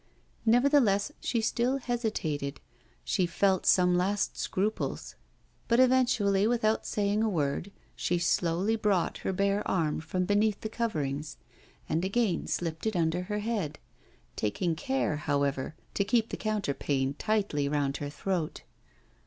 Nevertheless, she still hesitated, she felt some last scruples. But eventually, without saying a word, she slowly brought her bare arm from beneath the coverings, and again slipped it under her head, taking care, however, to keep the counterpane tightly round her throat.